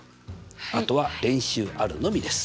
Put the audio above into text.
あとは練習あるのみです！